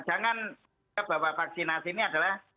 jangan bahwa vaksinasi ini adalah